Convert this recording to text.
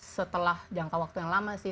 setelah jangka waktu yang lama sih